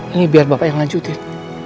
ini biar bapak yang lanjutin